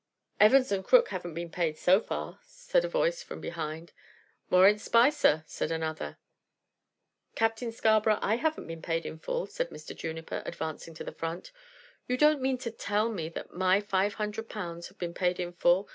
"Evans & Crooke haven't been paid, so far," said a voice from behind. "More ain't Spicer," said another voice. "Captain Scarborough, I haven't been paid in full," said Mr. Juniper, advancing to the front. "You don't mean to tell me that my five hundred pounds have been paid in full?